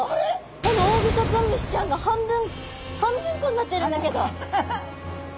このオオグソクムシちゃんが半分半分こになってるんだけど。